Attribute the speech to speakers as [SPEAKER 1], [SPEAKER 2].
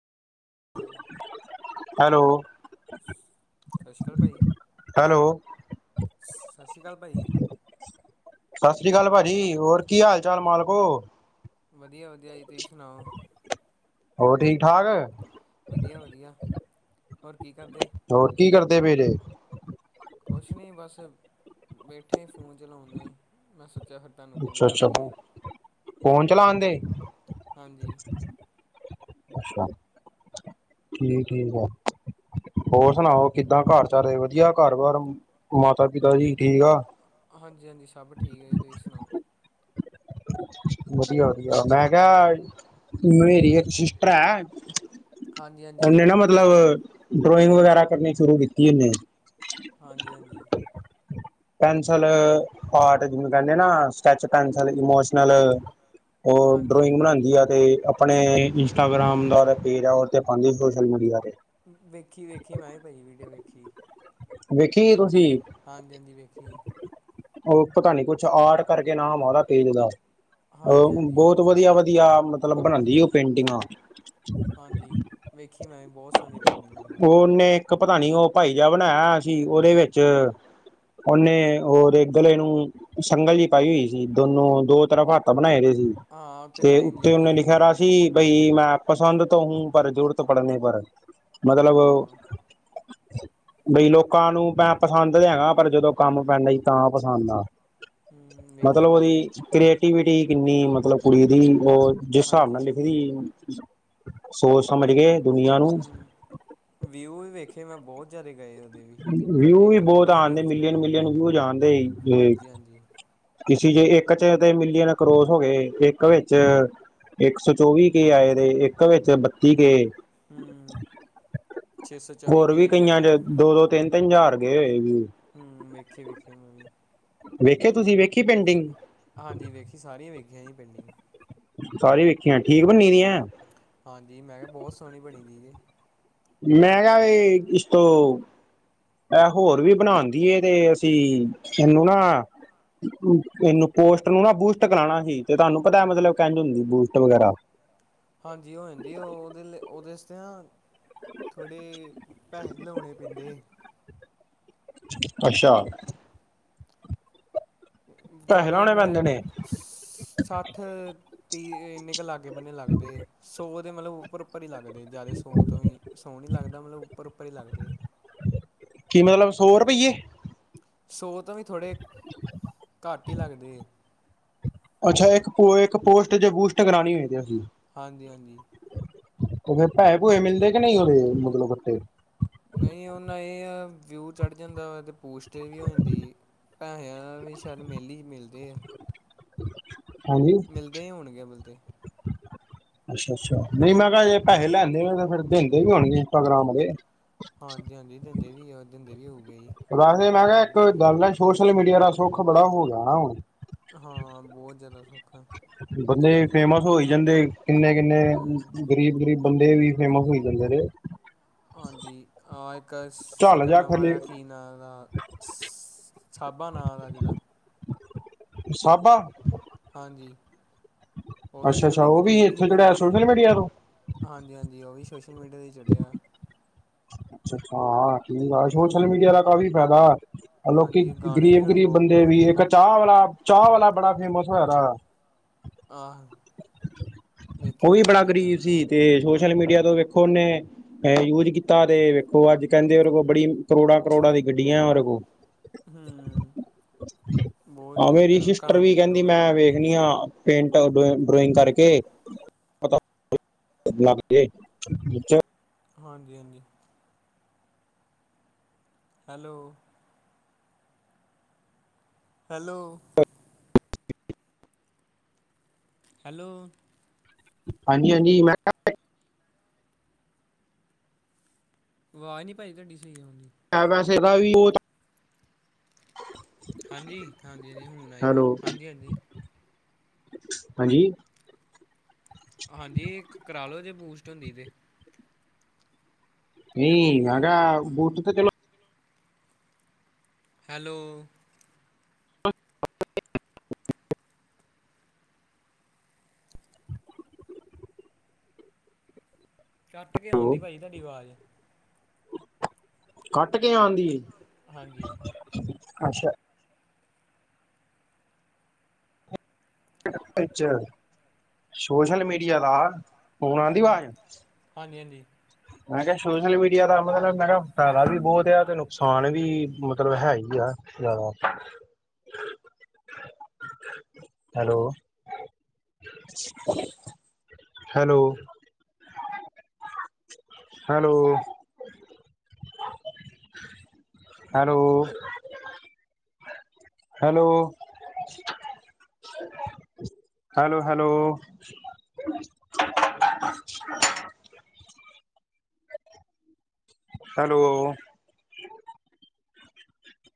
[SPEAKER 1] [unintelligible]
[SPEAKER 2] Hello.
[SPEAKER 1] ਸਤਿ ਸ਼੍ਰੀ ਅਕਾਲ ਭਾਜੀ,
[SPEAKER 2] ਹੈਲੋ
[SPEAKER 1] ਸਤਿ ਸ਼੍ਰੀ ਅਕਾਲ ਭਾਜੀ।
[SPEAKER 2] ਸਤਿ ਸ੍ਰੀ ਅਕਾਲ ਭਾਜੀ, ਹੋਰ ਕੀ ਹਾਲ ਚਾਲ ਮਾਲਕੋ?
[SPEAKER 1] ਵਧੀਆ, ਵਧੀਆ ਜੀ, ਤੁਸੀਂ ਸੁਣਾਓ?
[SPEAKER 2] ਹੋਰ ਠੀਕ-ਠਾਕ?
[SPEAKER 1] ਵਧੀਆ-ਵਧੀਆ, ਹੋਰ ਕੀ ਕਰਦੇ?
[SPEAKER 2] ਹੋਰ ਕੀ ਕਰਦੇ ਪਏ ਜੇ।
[SPEAKER 1] ਕੁਛ ਨੀ ਬਸ, ਬੈਠੇ ਆ ਫੋਨ ਚਲਾਉਂਦੇ ਆ। ਨੈਟ। ਕੇਹਾ, ਤੁਹਾਨੂੰ ਫੋਨ
[SPEAKER 2] ਅੱਛਾ
[SPEAKER 1] ਕਰ
[SPEAKER 2] ਅੱਛਾ
[SPEAKER 1] ਲਈਏ।
[SPEAKER 2] ਫੋਨ ਚਲਾਣ ਦੇ
[SPEAKER 1] ਹਾਂਜੀ।
[SPEAKER 2] ਅੱਛਾ। ਠੀਕ, ਠੀਕ ਆ। ਹੋਰ ਸੁਣਾਓ? ਕਿੱਦਾਂ ਘਰ ਸਾਰੇ ਵਧੀਆ। ਘਰ ਬਾਰ ਮਾਤਾ, ਪਿਤਾ ਜੀ ਠੀਕ ਆ।
[SPEAKER 1] ਹਾਂਜੀ, ਹਾਂਜੀ। ਸਭ ਠੀਕ ਹੈ ਜੀ, ਤੁਸੀਂ ਸੁਣਾਓ?
[SPEAKER 2] ਵਧੀਆ, ਵਧੀਆ। ਮੈਂ ਕਿਹਾ, ਮੇਰੀ ਇੱਕ ਸਿਸਟਰ ਹੈ।
[SPEAKER 1] ਹਾਂਜੀ ਹਾਂਜੀ
[SPEAKER 2] ਉਹਨੇ ਨਾ ਮਤਲਬ, ਡਰੋਇੰਗ ਵਗੈਰਾ ਕਰਨੀ, ਸ਼ੁਰੂ ਕੀਤੀ ਉਹਨੇ।
[SPEAKER 1] ਹਾਂਜੀ, ਹਾਂਜੀ।
[SPEAKER 2] ਪੈਨਸਿਲ ਆਰਟ ਜਿਵੇ ਕਹਿੰਦੇ ਨਾ ਸਕੈਚ ਪੈਨਸਿਲ ਇਮੋਸ਼ਨਲ ਉਹ
[SPEAKER 1] ਹਾਂਜੀ
[SPEAKER 2] ਡਰੋਇੰਗ ਬਣਾਉਂਦੀ ਆ ਤੇ ਆਪਣੇ। ਇੰਸਟਾਗ੍ਰਾਮ ਦਾ ਪੇਜ ਆ ਉਹ ਪਾਉਦੀ ਸੋਸ਼ਲ ਮੀਡੀਆ 'ਤੇ।
[SPEAKER 1] ਵੇਖੀ, ਵੇਖੀ ਮੈਂ ਵੀ ਪਾਈ ਵੀਡੀਓ ਵੇਖੀ।
[SPEAKER 2] ਵੇਖੀਏ ਤੁਸੀਂ।
[SPEAKER 1] ਹਾਂਜੀ, ਹਾਂਜੀ ਵੇਖੀਏ।
[SPEAKER 2] ਉਹ ਪਤਾ ਨੀ, ਕੁਛ ਆਰ ਕਰਕੇ ਨਾਮ, ਆ ਰਿਹਾ ਤੇਲ ਦਾ।
[SPEAKER 1] ਹਾਂਜੀ
[SPEAKER 2] ਅ
[SPEAKER 1] ਹਾਂਜੀ
[SPEAKER 2] ਬਹੁਤ ਵਧੀਆ। ਵਧੀਆ, ਵਧੀਆ। ਮਤਲਬ ਬਣਾਉਂਦੀ ਉਹ ਪੇਂਟਿੰਗਾਂ।
[SPEAKER 1] ਹਾਂਜੀ। ਵੇਖੀ ਮੈਂ ਵੀ, ਬਹੁਤ ਸੋਹਣੀ ਪੇਡਿੰਗ ਆ। ਉਹਨਾਂ ਦੀ।
[SPEAKER 2] ਉਹਨੇ ਇੱਕ ਪਤਾ ਨੀ ਉਹ, ਭਾਈ ਜਿਹਾ ਬਣਾਇਆ ਹੋਇਆ ਸੀ। ਉਹਦੇ ਵਿੱਚ। ਉਹਓਨੇ, ਹੋਰ ਗਲੇ ਨੂੰ। ਸੰਗਲ ਜਿਹੀ, ਪਾਈ ਹੋਈ ਸੀ। ਦੋਨੋ, ਦੋ ਤਰਫ ਹੱਥ ਬਣਾਏ ਓਏ ਸੀ।
[SPEAKER 1] ਹਾਂ ਉਹ
[SPEAKER 2] ਤੇ
[SPEAKER 1] ਲਾਈਨ
[SPEAKER 2] ਉੱਤੇ
[SPEAKER 1] ਲਿਖੀ
[SPEAKER 2] ਉਹਨੇ
[SPEAKER 1] ਸੀ
[SPEAKER 2] ਲਿਖਿਆ। ਜੀ ਬਈ ਮੈਂ, ਪਸੰਦ ਤੋ ਹੂੰ। ਪਰ ਜ਼ਰੂਰਤ ਪੜਨੇ ਪਰ। ਮਤਲਬ।
[SPEAKER 1] ਹਾਂ
[SPEAKER 2] ਬਈ ਲੋਕਾਂ ਨੂੰ, ਪੈਂ ਪਸੰਦ ਤੇ ਹੈਗਾ। ਪਰ ਜਦੋਂ ਕੰਮ ਪੈਂਦਾ, ਸੀ ਤਾਂ ਪਸੰਦ ਆ।
[SPEAKER 1] ਹੂੰ, ਵੇਖੀ
[SPEAKER 2] ਮਤਲਬ
[SPEAKER 1] ਮੈਂ
[SPEAKER 2] ਉਹਦੀ,
[SPEAKER 1] ਵੀ
[SPEAKER 2] [unintelligible] ਕ੍ਰੀਏ। ਕ੍ਰੇਟੀਵਿਟੀ ਕਿੰਨੀ, ਮਤਲਬ ਕੁੜੀ ਦੀ, ਉਹ ਜਿਸ ਹਿਸਾਬ ਨਾਲ
[SPEAKER 1] ਹਾਂਜੀ
[SPEAKER 2] ਲਿਖਦੀ ਏ। ਸੋਚ ਸਮਝ, ਕੇ ਦੁਨੀਆਂ ਨੂੰ।
[SPEAKER 1] ਹੂੰ ਵਿਊ ਵੀ ਵੇਖੇ, ਮੈਂ ਬਹੁਤ ਜਿਆਦਾ ਗਏ, ਉਹਦੇ।
[SPEAKER 2] ਵਿਊ ਵੀ
[SPEAKER 1] ਇੱਕ
[SPEAKER 2] ਬਹੁਤ
[SPEAKER 1] ਮਿਲੀਅਨ,
[SPEAKER 2] ਆਂਦੇ
[SPEAKER 1] ਨਿਊ ਚਲੇ
[SPEAKER 2] ਮਿਲੀਅਨ ਮਿਲੀਅਨ
[SPEAKER 1] ਪਏ,
[SPEAKER 2] ਵਿਊ
[SPEAKER 1] ਹਾਂਜੀ ਹਾਂਜੀ।
[SPEAKER 2] ਕਿਸੀ ਚ, ਇੱਕ ਚ ਤੇ ਮਿਲੀਅਨ, ਕਰੋਸ ਹੋ ਗਏ। ਇੱਕ ਵਿੱਚ। ਇੱਕ ਸੌ ਚੌਵੀ ਕੇ ਆਏ ਦੇ। ਇੱਕ ਵਿੱਚ ਬੱਤੀ ਕੇ।
[SPEAKER 1] ਹੂੰ। ਛੇ ਸੌ ਚੌਵੀ
[SPEAKER 2] ਹੋਰ
[SPEAKER 1] ਕੇ
[SPEAKER 2] ਵੀ ਕਈਆਂ ਚ,
[SPEAKER 1] ਆਏ
[SPEAKER 2] ਦੋ- ਦੋ, ਤਿੰਨ- ਤਿੰਨ, ਹਾਜਾਰ ਗਏ ਹੋਏ ਵੀ।
[SPEAKER 1] ਹੂੰ। ਵੇਖੀ ਵੇਖੇ ਮੈਂ ਵੀ।
[SPEAKER 2] ਵੇਖੇ ਤੁਸੀਂ, ਵੇਖੀ ਪੇਡਿੰਗ।
[SPEAKER 1] ਹਾਂਜੀ। ਵੇਖੀ, ਸਾਰੀਆਂ ਵੇਖੀਆਂ, ਜੀ ਪਿੰਡਿੰਗ।
[SPEAKER 2] ਸਾਰੀ ਵੇਖੀਆਂ, ਠੀਕ ਬੰਨੀ ਦੀਆਂ।
[SPEAKER 1] ਹਾਂਜੀ। ਮੈਂ ਕਿਹਾ ਬਹੁਤ, ਸੋਹਣੀ ਬਣੀ ਦੀ ਇਹ।
[SPEAKER 2] ਮੈਂ ਕਿਹਾ, ਬਈ ਇਸ ਤੋਂ। ਇਹ ਹੋਰ ਵੀ, ਬਣਾਉਦੀ ਹੈ। ਤੇ ਅਸੀਂ, ਤਨੂੰ ਨਾ। ਇਹਨੂੰ ਪੋਸਟ, ਨੂੰ ਨਾ ਬੂਸਟ, ਕਰਾਉਣਾ ਸੀ। ਤੇ ਤੁਹਾਨੂੰ ਪਤਾ, ਮਤਲਬ ਕਹਿੰਦਾ ਹੁੰਦੀ ਬੂਸਟ ਵਗੈਰਾ।
[SPEAKER 1] ਹਾਂਜੀ। ਉਹ ਹੁੰਦੀ ਏ। ਉਹਦੇ ਲਈ ਉਹਦੇ ਆਸਤੇ ਨਾ। ਥੋੜੇ ਪੈਸੇ, ਲਾਉਣੇ ਪੈਂਦੇ।
[SPEAKER 2] ਅੱਛਾ। ਪੈਸੇ
[SPEAKER 1] ਵਿਚਾਰੇ
[SPEAKER 2] ਲਾਉਣੇ
[SPEAKER 1] ਮੈਂ।
[SPEAKER 2] ਪੈਂਦੇ ਨੇ
[SPEAKER 1] ਸੱਠ, ਤੀ ਇੰਨੇ ਕੁ ਲਾਗੇ, ਬੰਨੇ ਲੱਗਦੇ। ਸੌ ਮਲਬ ਉੱਪਰ, ਉੱਪਰ ਹੀ ਲੱਗਦੇ। ਜਿਆਦਾ ਸੋ ਤੋਂ ਸੋ ਨਹੀਂ ਲੱਗਦਾ। ਮਤਲਬ ਉੱਪਰ -ਉੱਪਰ ਹੀ ਲੱਗਦੇ।
[SPEAKER 2] ਕੀ ਮਤਲਬ, ਸੌ ਰੁਪਈਏ।
[SPEAKER 1] ਸੌ ਤੋਂ ਵੀ, ਥੋੜੇ ਘੱਟ ਹੀ ਲੱਗਦੇ।
[SPEAKER 2] ਅੱਛਾ, ਇੱਕ ਪ ਇੱਕ ਪੋਸਟ ਜੇ, ਬੂਸਟ ਕਰਾਣੀ ਹੋਏ ਅਸੀਂ।
[SPEAKER 1] ਹਾਂਜੀ- ਹਾਂਜੀ।
[SPEAKER 2] ਉਹ ਫੇਰ, ਭੈਏ- ਭੂਏ ਮਿਲਦੇ। ਕਿ ਨਹੀਂ, ਉਹਦੇ। ਮਤਲਬ ਵਟੇ।
[SPEAKER 1] ਨਹੀਂ ਉਹਨਾਂ, ਇਹ ਆ। ਵਿਊ ਚੜ ਜਾਂਦਾ ਵਾ। ਅਤੇ ਪੋਸਟ ਵੀ ਹੋ ਜਾਂਦੀ। ਪੈਸਿਆਂ ਵੀ ਸ਼ਾਇਦ ਮਿਲ ਹੀ ਮਿਲਦੇ ਆ
[SPEAKER 2] ਹਾਂਜੀ
[SPEAKER 1] ਮਿਲਦੇ ਹੀ ਹੋਣਗੇ ਅਬਲ ਤੇ
[SPEAKER 2] ਅੱਛਾ ਅੱਛਾ ਨਹੀਂ ਮੈਂ ਕਿਹਾ ਜੇੈਸੇ ਲੈਂਦੇ ਹੋ ਤੇ ਫੇਿਰ ਦਿੰਦੇ ਵੀ ਹੋਣਗੇ ਇੰਸਟਾਗ੍ਰਾਮ ਵਾਲੇ
[SPEAKER 1] ਹਾਂਜੀ ਹਾਂਜੀ ਦਿੰਦੇ ਵੀ ਦਿੰਦੇ ਵੀ ਹੋਊ
[SPEAKER 2] ਵਸੇ ਮੈਂ ਕਿਹਾ ਇੱਕ ਗੱਲ ਹੈ ਸੋਸ਼ਲ ਮੀਡੀਆ ਦਾ ਸੁੱਖ ਬੜਾ ਹੋ ਗਿਆਾ ਹੁਣ
[SPEAKER 1] ਹਾਂ, ਬਹੁਤ ਜ਼ਿਆਦਾ ਸੌਖਾ ਹੈ।
[SPEAKER 2] ਬੰਦੇ ਫੇਮਸ, ਹੋਈ ਜਾਂਦੇ। ਕਿੰਨੇ- ਕਿੰਨੇ,
[SPEAKER 1] ਹੂੰ
[SPEAKER 2] ਗ਼ਰੀਬ- ਗਰੀਬ। ਬੰਦੇ ਵੀ, ਫੇਮਸ ਹੋਈ ਜਾਂਦੇ ਨੇ।
[SPEAKER 1] ਹਾਂਜੀ ਇੱਕ
[SPEAKER 2] ਝੱਲ
[SPEAKER 1] ਸਿੰਗਰ
[SPEAKER 2] ਜਾ
[SPEAKER 1] ਨਵਾਂ
[SPEAKER 2] ਖਲੇ
[SPEAKER 1] ਆਇਆ ਕੀ ਨਾਂ ਦਾ ਸਾਬਾ ਨਾਂ ਦਾ ਜਿਹਦਾ
[SPEAKER 2] ਸਭਾ
[SPEAKER 1] ਹਾਂਜੀ ਉਹ
[SPEAKER 2] ਅੱਛਾ
[SPEAKER 1] ਵੀ ਉਹ
[SPEAKER 2] ਅੱਛਾ
[SPEAKER 1] ਵੀ ਗਰੀਬ ਸੀ
[SPEAKER 2] ਇੱਥੇ ਜਿਹੜਾ
[SPEAKER 1] ਪਹਿਲਾਂ
[SPEAKER 2] ਸੋਸ਼ਲ ਮੀਡੀਆ ਤੋਂ
[SPEAKER 1] ਹਾਂਜੀ ਹਾਂਜੀ ਉਹ ਵੀ ਸੋਸ਼ਲ ਮੀਡੀਆ 'ਤੇ ਹੀ ਚੜ੍ਹਿਆ ਆ
[SPEAKER 2] ਅੱਛਾ ਅੱਛਾ ਹਾਂ ਠੀਕ ਆ ਸੋਸ਼ਲ
[SPEAKER 1] ਹੂੰ
[SPEAKER 2] ਮੀਡੀਆ ਦਾ ਕਾਫ਼ੀ ਫਾਇਦਾ ਲੋਕੀ
[SPEAKER 1] ਹਾਂਜੀ ਗਾਣੇ ਵੀ
[SPEAKER 2] ਗ਼ਰੀਬ
[SPEAKER 1] ਹੁਣ
[SPEAKER 2] ਗ਼ਰੀਬ
[SPEAKER 1] ਬਹੁਤ ਬਹੁਤ
[SPEAKER 2] ਬੰਦੇ ਵੀ
[SPEAKER 1] ਵਧੀਆ
[SPEAKER 2] ਇੱਕ ਚਾਹ ਵਾਲਾ ਚਾਹ ਵਾਲਾ ਬੜਾ ਫੇਮਸ ਹੋਇਆ
[SPEAKER 1] ਆਹ
[SPEAKER 2] ਉਹ
[SPEAKER 1] ਵੇਖਿਆ ਮੈਂ
[SPEAKER 2] ਬੜਾ
[SPEAKER 1] ਵੀ ਜਾ
[SPEAKER 2] ਗਰੀਬ ਸੀ ਤੇ ਸੋਸ਼ਲ ਮੀਡੀਆ ਤੋਂ ਵੇਖੋ ਉਹਨੇ ਯੂਜ ਕੀਤਾ ਤੇ ਵੇਖੋ ਅੱਜ ਕਹਿੰਦੇ ਉਹਦੇ ਕੋਲ ਬੜੀ ਕਰੋੜਾਂ ਕਰੋੜਾਂ ਦੀ ਗੱਡੀਆਂ ਉਹਰੇ ਕੋਲ
[SPEAKER 1] ਹੂੰ ਬਹੁਤ
[SPEAKER 2] ਹਾਂ
[SPEAKER 1] ਜ਼ਿਆਦਾ
[SPEAKER 2] ਮੇਰੀ
[SPEAKER 1] ਕਰੋ
[SPEAKER 2] ਸਿਸਟਰ ਵੀ
[SPEAKER 1] ਹਾਂਜੀ
[SPEAKER 2] ਕਹਿੰਦੀ
[SPEAKER 1] ਕਰੋਨਾ
[SPEAKER 2] ਮੈਂ
[SPEAKER 1] ਕਰੋਨਾ ਦੀ
[SPEAKER 2] ਵੇਖਣੀ ਆ ਪੇਂਟ ਡਰੋਇੰਗ ਕਰਕੇ ਨਾਏ
[SPEAKER 1] ਹਾਂਜੀ ਹਾਂਜੀ ਹੈਲੋ ਹੈਲੋ ਹੈਲੋ
[SPEAKER 2] ਹਾਂਜੀ ਹਾਂਜੀ ਮੈਂ ਕਿਹਾ
[SPEAKER 1] ਆਵਾਜ਼ ਨਹੀਂ ਭਾਜੀ ਤੁਹਾਡੀ ਸਹੀ ਆਉਣਂਦੀ
[SPEAKER 2] ਪੈਸੇ ਦਾ ਵੀ ਉਹ
[SPEAKER 1] ਹਾਂਜੀ ਹਾਂਜੀ ਹਾਂਜੀ ਹੁਣ ਆਈ ਦੀ
[SPEAKER 2] ਹੈਲੋ
[SPEAKER 1] ਆਵਾਜ਼ ਹਾਂਜੀ ਹਾਂਜੀ
[SPEAKER 2] ਹਾਂਜੀ
[SPEAKER 1] ਹਾਂਜੀ ਕਰਾ ਲਓ ਜੇ ਬੂਸਟ ਹੁੰਦੀ ਤਾਂ
[SPEAKER 2] ਨਹੀਂ ਅਗ ਬਹੁਟ ਤਾਂ ਚਲੋ
[SPEAKER 1] ਹੈਲੋ ਕੱਟ ਕੇ
[SPEAKER 2] ਚਲੋ
[SPEAKER 1] ਆਂਦੀ ਭਾਜੀ ਤੁਹਾਡੀ ਆਵਾਜ਼
[SPEAKER 2] ਕੱਟ ਕੇ ਆਉਂਦੀ
[SPEAKER 1] ਹਾਂਜੀ
[SPEAKER 2] ਅੱਛਾ ਸੋਸ਼ਲ
[SPEAKER 1] ਹਾਂਜੀ
[SPEAKER 2] ਮੀਡੀਆ ਦਾ ਫਨ ਆ ਦੀ
[SPEAKER 1] ਹੂੰ
[SPEAKER 2] ਆਵਾਜ਼
[SPEAKER 1] ਹਾਂਜੀ ਹਾਂਜੀ
[SPEAKER 2] ਮੈਂ ਕਿਹਾ ਸੋਸ਼ਲ ਮੀਡੀਆ ਦਾ ਮਤਲਬ ਮੈਂ ਕਿਹਾ ਫਟਾਇਦਾ ਵੀ ਬਹੁਤ ਆ ਤੇ ਨੁਕਸਾਨ ਵੀ ਮਤਲਬ ਹੈ ਹੀ ਆ। ਲ।
[SPEAKER 1] [unintelligible]
[SPEAKER 2] Hello. Hello. Hello. Hello. Hello. Hello, hello. Hello.